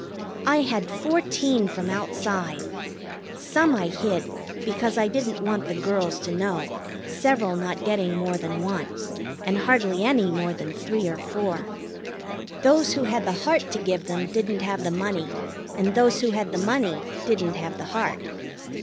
I had fourteen from outside. Some I hid, because I didn't want the girls to know, several not getting more than one, and hardly any more than three or four. Those who had the heart to give them didn't have the money, and those who had the money didn't have the heart.